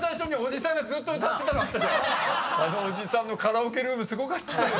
あのおじさんのカラオケルームすごかった。